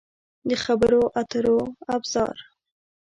د خبرو اترو ابزار